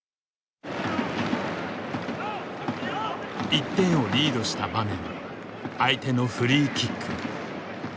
１点をリードした場面相手のフリーキック。